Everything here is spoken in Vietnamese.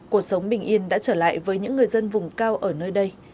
cuộc sống bình yên đã trở lại với những người dân vùng cao ở nơi đây